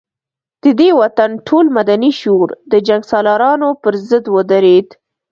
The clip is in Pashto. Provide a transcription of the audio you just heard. د دې وطن ټول مدني شعور د جنګ سالارانو پر ضد ودرېد.